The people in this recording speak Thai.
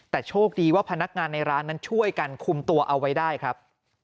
แต่โชคดีว่าพนักงานในร้านนั้นช่วยกันคุมตัวเอาไว้ได้ครับ